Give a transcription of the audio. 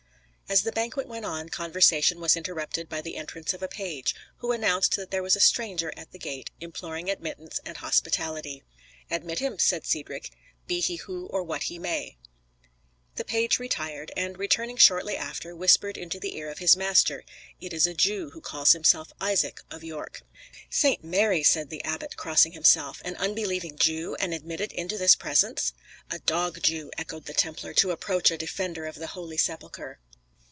As the banquet went on, conversation was interrupted by the entrance of a page, who announced that there was a stranger at the gate imploring admittance and hospitality. "Admit him," said Cedric, "be he who or what he may." The page retired; and returning shortly after, whispered into the ear of his master: "It is a Jew, who calls himself Isaac of York." "St. Mary!" said the abbot, crossing himself, "an unbelieving Jew, and admitted into this presence!" "A dog Jew," echoed the Templar, "to approach a defender of the Holy Sepulchre!"